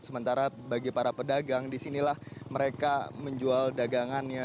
sementara bagi para pedagang di sinilah mereka menjual dagangannya